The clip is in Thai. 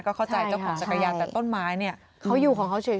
ก็เข้าใจเจ้าของจักรยานแต่ต้นไม้เนี่ยเขาอยู่ของเขาเฉย